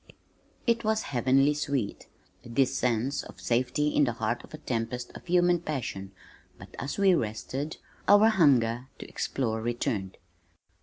It was heavenly sweet, this sense of safety in the heart of a tempest of human passion but as we rested, our hunger to explore returned.